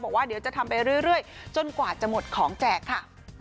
บอกว่าเดี๋ยวจะทำไปเรื่อยจนกว่าจะหมดของแจกค่ะ